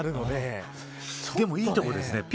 でも、いいところですね。